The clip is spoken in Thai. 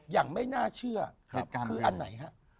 อย่างไม่น่าเชื่อคืออันไหนฮะ